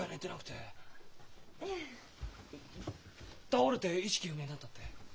倒れて意識不明になったって。